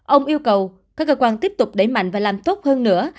ông yêu cầu các cơ quan tiếp tục đẩy mạnh và làm tốt hơn nữa